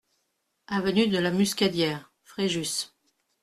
Avenue de la Muscadière, Fréjus